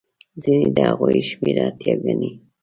ځینې د هغوی شمېر ایته ګڼي.